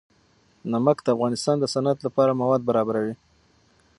نمک د افغانستان د صنعت لپاره مواد برابروي.